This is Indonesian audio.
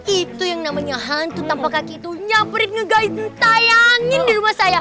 itu yang namanya hantu tanpa kaki itu nyaperin ngegait ntah yang angin di rumah saya